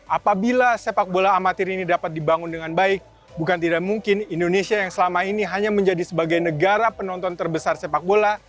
apabila sepak bola amatir ini dapat dibangun dengan baik bukan tidak mungkin indonesia yang selama ini hanya menjadi sebagai negara penonton terbesar sepak bola